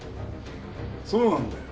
そうなんだよ。